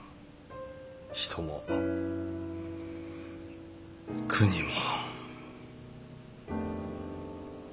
人も国も。